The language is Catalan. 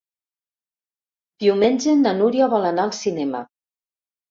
Diumenge na Núria vol anar al cinema.